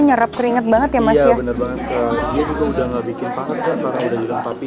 nyerep keringat banget ya mas ya bener banget dia juga udah nggak bikin panas kak karena udah dilengkapi